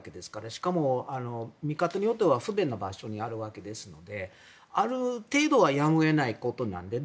しかも見方によっては不便な場所にあるわけですのである程度はやむを得ないことなんです。